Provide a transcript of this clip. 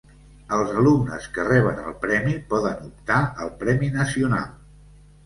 Els alumnes que reben el Premi poden optar al Premi Nacional.